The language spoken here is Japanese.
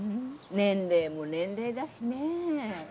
年齢も年齢だしねぇ。